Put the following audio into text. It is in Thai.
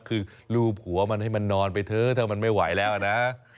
คือรูปหัวมันให้มันนอนไปเถอะถ้ามันไม่ไหวแล้วนะ